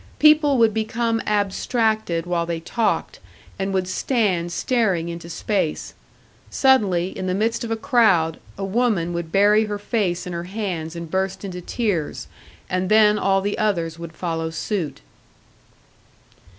People would become abstracted while they talked, and would stand staring into space; suddenly, in the midst of a crowd, a woman would bury her face in her hands and burst into tears, and then all the others would follow suit.